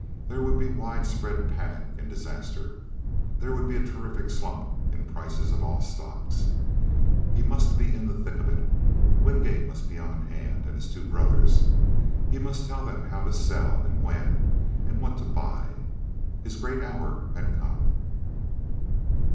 There would be wide spread panic and disaster. There would be a terrific slump in prices of all stocks. He must be in the thick of it. Wingate must be on hand, and his two brothers. He must tell them how to sell and when and what to buy. His great hour had come!